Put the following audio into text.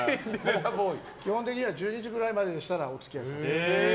基本的には１２時ぐらいまではお付き合いします。